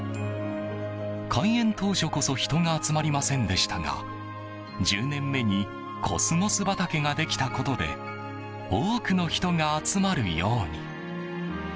開園当初こそ人が集まりませんでしたが１０年目にコスモス畑ができたことで多くの人が集まるように。